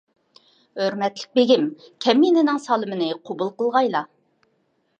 ھۆرمەتلىك بېگىم، كەمىنىنىڭ سالىمىنى قوبۇل قىلغايلا.